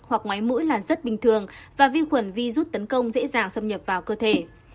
hoặc ngoái mũi là rất bình thường và vi khuẩn vi rút tấn công dễ dàng xâm nhập vào cơ thể